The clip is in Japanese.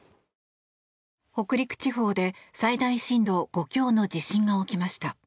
北陸地方で最大震度５強の地震が起きました。